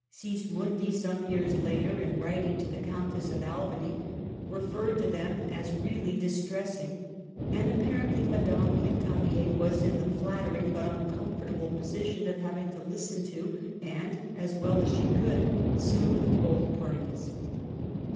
Sismondi, some years later, in writing to the Countess of Albany, referred to them as really distressing, and apparently Madame R6 camier was in the flattering but uncomfortable position of having to listen to and, as well as she could, soothe both parties.